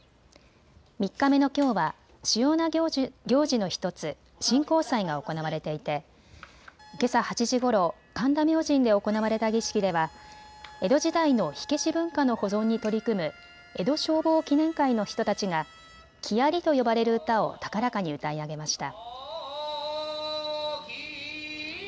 ３日目のきょうは主要な行事の１つ、神幸祭が行われていてけさ８時ごろ、神田明神で行われた儀式では江戸時代の火消し文化の保存に取り組む江戸消防記念会の人たちが木遣りと呼ばれる唄を高らかに歌い上げました。